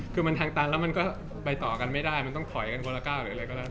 คือมันทางตันแล้วมันก็ไปต่อกันไม่ได้มันต้องถอยกันคนละก้าวหรืออะไรก็แล้ว